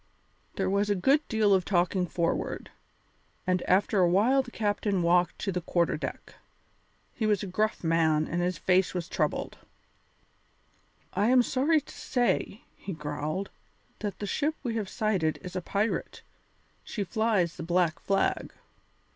There was a good deal of talking forward, and after a while the captain walked to the quarter deck. He was a gruff man and his face was troubled. "I am sorry to say," he growled, "that the ship we have sighted is a pirate; she flies the black flag."